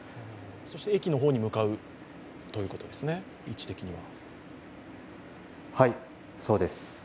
そして駅の方に向かうということですね、位置的には。